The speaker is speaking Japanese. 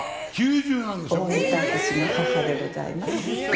大仁田厚の母でございます。